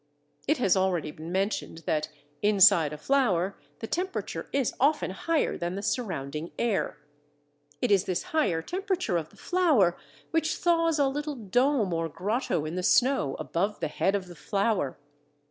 It has already been mentioned that, inside a flower, the temperature is often higher than the surrounding air. It is this higher temperature of the flower which thaws a little dome or grotto in the snow above the head of the flower.